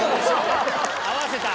合わせた。